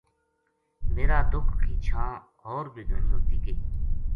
میرا دُکھ کی چھاں ہور بے گھنی ہوتی گئی